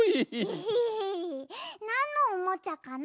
エヘヘなんのおもちゃかな？